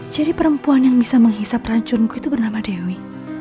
ciri perempuan yang bisa menghisap racunku itu bernama dewi